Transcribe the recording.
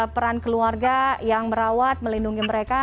peran keluarga yang merawat melindungi mereka